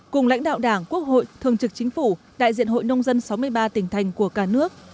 cùng lãnh đạo đảng quốc hội thường trực chính phủ đại diện hội nông dân sáu mươi ba tỉnh thành của cả nước